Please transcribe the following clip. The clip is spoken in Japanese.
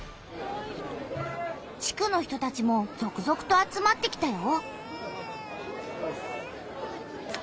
地区の人たちもぞくぞくと集まってきたよ。